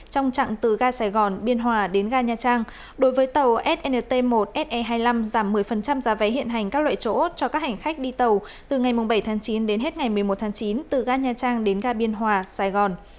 trong chặng từ ga sài gòn biên hòa đến ga nha trang đối với tàu snt một se hai mươi năm giảm một mươi giá vé hiện hành các loại chỗ cho các hành khách đi tàu từ ngày bảy tháng chín đến hết ngày một mươi một tháng chín từ ga nha trang đến ga biên hòa sài gòn